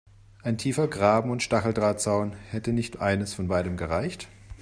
Ein tiefer Graben und Stacheldrahtzaun – hätte nicht eines von beidem gereicht?